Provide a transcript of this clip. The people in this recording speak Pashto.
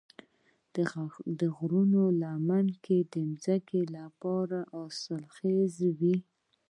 د غرونو لمنې د ځمکې لپاره حاصلخیزې وي.